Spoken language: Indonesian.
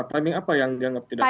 timing apa yang dianggap tidak